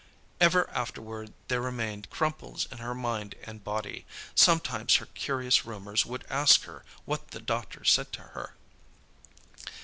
Ever afterward there remained crumples in her mind and body. Sometimes her curious roomers would ask her what the doctor said to her.